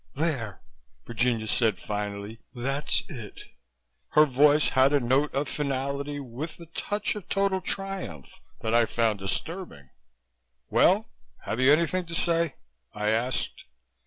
"There!" Virginia said finally, "that's it!" Her voice had a note of finality with a touch of total triumph that I found disturbing. "Well, have you anything to say?" I asked.